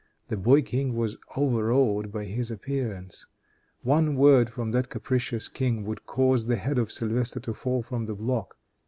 The boy king was overawed by his appearance. One word from that capricious king would cause the head of Sylvestre to fall from the block.